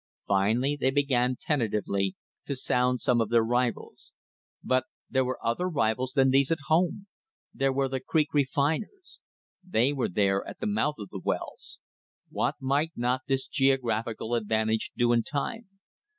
Finally they began tentatively to sound some of their rivals. But there were other rivals than these at home. There were the creek refiners! They were there at the mouth of the wells. What might not this geographical advantage do in time?